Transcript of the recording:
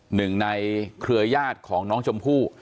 หนึ่งในเครือญาติของน้องชมพู่